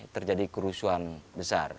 terjadi kerusuhan besar